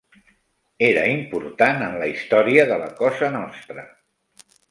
Era important en la història de la Cosa Nostra.